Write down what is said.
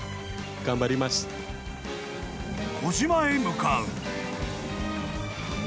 ［小島へ向かう］